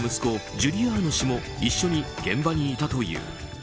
ジュリアーノ氏も一緒に現場にいたという。